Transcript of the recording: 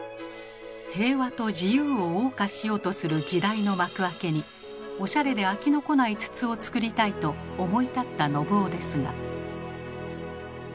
平和と自由を謳歌しようとする時代の幕開けにオシャレで飽きのこない筒を作りたいと思い立った信雄ですが。